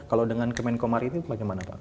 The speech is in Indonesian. kalau dengan kemenkomari itu bagaimana pak